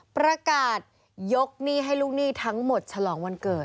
ประกาศยกหนี้ให้ลูกหนี้ทั้งหมดฉลองวันเกิด